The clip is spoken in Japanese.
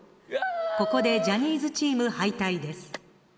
ここでジャニーズチーム敗退です。